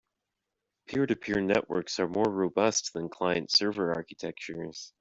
Peer-to-peer networks are more robust than client-server architectures.